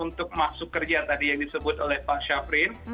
untuk masuk kerja tadi yang disebut oleh pak syafrin